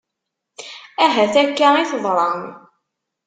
Ahat akka i teḍra.